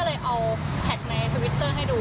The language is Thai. ก็เลยเอาแพทในทวิตเตอร์ให้ดู